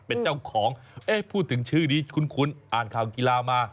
เป็นเจ้าของพูดถึงชื่อนี้คุ้นอ่านข่าวกีฬามา